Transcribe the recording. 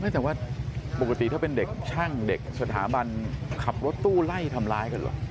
จากว่าปกติถ้าเป็นเด็กช่างเด็กสถาบันขับรถตู้ไล่ทำร้ายกันเหรอ